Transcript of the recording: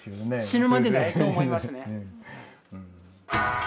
死ぬまでないと思いますね。